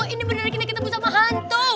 ini beneran kena ketemu sama hantu